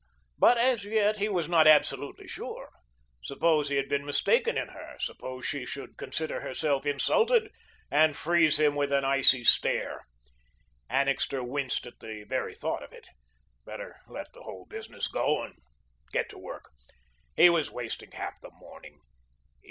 But, as yet, he was not absolutely sure. Suppose he had been mistaken in her; suppose she should consider herself insulted and freeze him with an icy stare. Annixter winced at the very thought of it. Better let the whole business go, and get to work. He was wasting half the morning.